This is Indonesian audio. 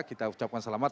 kita ucapkan selamat